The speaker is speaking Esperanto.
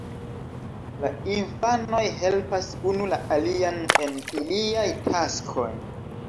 La infanoj helpas unu la alian en iliaj taskoj.